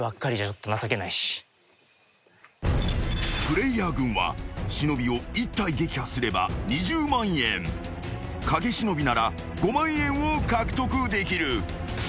［プレイヤー軍は忍を１体撃破すれば２０万円］［影忍なら５万円を獲得できる］